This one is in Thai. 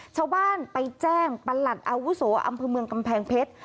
ชาวบ้านไปแจ้งประหลัดอาวุโสอำเภอเมืองกำแพงเพชร